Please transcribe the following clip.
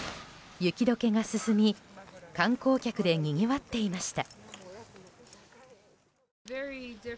雪解けが進み観光客でにぎわっていました。